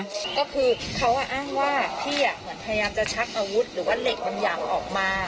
ก็คือเขาอ้างว่าพี่เหมือนพยายามจะชักอาวุธหรือว่าเหล็กบางอย่างออกมา